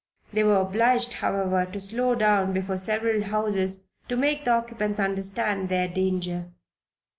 They were obliged, however, to slow down before several houses to make the occupants understand their danger.